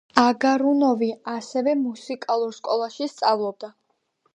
აგარუნოვი, ასევე მუსიკალურ სკოლაში სწავლობდა.